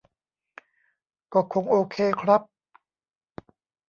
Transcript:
ก็คงโอเคครับ